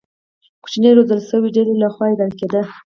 کوچنۍ روزل شوې ډلې له خوا اداره کېده.